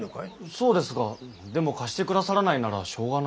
そうですがでも貸してくださらないならしょうがないと。